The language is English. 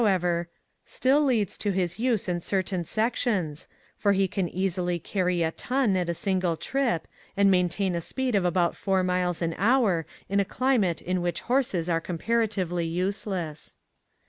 ever, still leads to his use in certain sec tions, for he can easily carry a ton at a single trip and maintain a speed of about four miles an hour in a climate in which horses are comparatively useless.